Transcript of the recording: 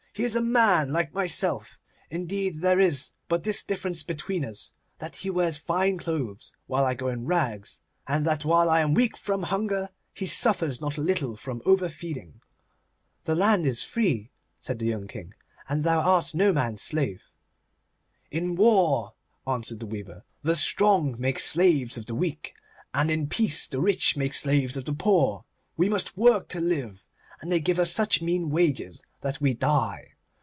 'He is a man like myself. Indeed, there is but this difference between us—that he wears fine clothes while I go in rags, and that while I am weak from hunger he suffers not a little from overfeeding.' 'The land is free,' said the young King, 'and thou art no man's slave.' 'In war,' answered the weaver, 'the strong make slaves of the weak, and in peace the rich make slaves of the poor. We must work to live, and they give us such mean wages that we die.